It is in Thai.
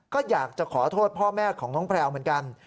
ก็อยากจะขอโทษพ่อแม่ของน้องแพลวเหมือนกัน